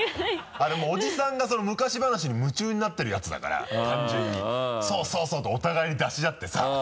あれもうおじさんが昔話に夢中になってるやつだから単純に「そうそう！」ってお互いに出し合ってさ。